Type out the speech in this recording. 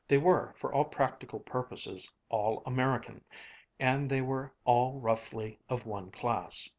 They were, for all practical purposes, all American, and they were all roughly of one class.